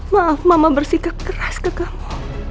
maaf mama bersikap keras ke kamu